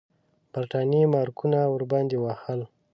برټانیې مارکونه ورباندې وهل.